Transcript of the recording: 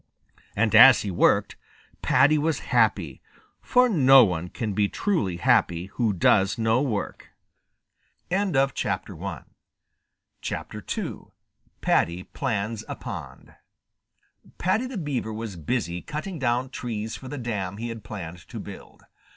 And as he worked, Paddy was happy, for one can never be truly happy who does no work. II PADDY PLANS A POND Paddy the Beaver was busy cutting down trees for the dam he had planned to build.